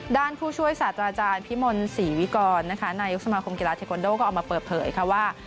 ด้านผู้ช่วยศาสตร์อาจารย์พิมนต์ศรีวิกรในยุคสมาคมกีฬาเทคอนโดทีมก็ออกมาเปิดเผยว่า